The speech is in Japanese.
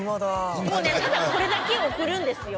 もうねただこれだけを送るんですよ